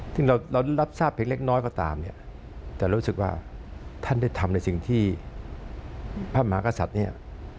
ซึ่งเรารับทราบเพียงเล็กน้อยก็ตามเนี่ยแต่รู้สึกว่าท่านได้ทำในสิ่งที่พระมหากษัตริย์เนี่ย